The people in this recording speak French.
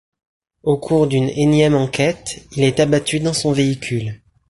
Au cours d’une énième enquête, il est abattu dans son véhicule.